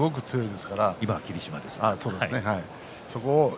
今は霧島ですね。